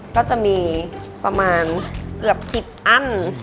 ก็จะมีประมาณเกือบ๑๐อั้น